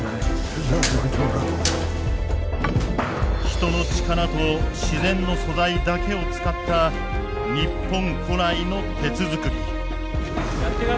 人の力と自然の素材だけを使った日本古来の鉄づくり。